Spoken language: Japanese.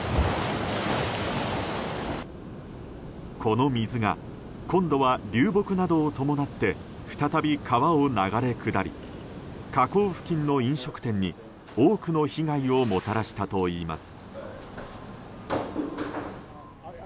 この水が今度は流木などを伴って再び川を流れ下り河口付近の飲食店に多くの被害をもたらしたといいます。